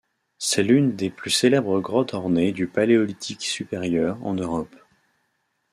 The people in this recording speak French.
C'est l'une des plus célèbres grottes ornées du Paléolithique supérieur en Europe.